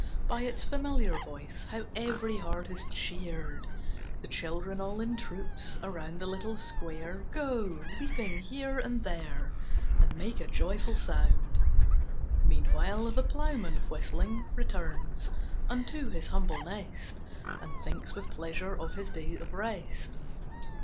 By its familiar voice How every heart is cheered! The children all in troops, Around the little square Go, leaping here and there, And make a joyful sound. Meanwhile the ploughman, whistling, returns Unto his humble nest, And thinks with pleasure of his day of rest.